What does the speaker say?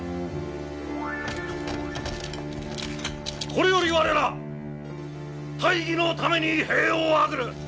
これより我ら大義のために兵を挙げる！